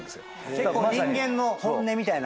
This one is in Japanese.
結構人間の本音みたいな。